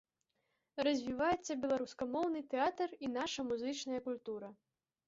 Развіваецца беларускамоўны тэатр і наша музычная культура.